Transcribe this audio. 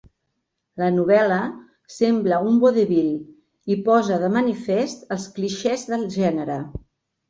La novel·la sembla un vodevil i posa de manifest els clixés del gènere.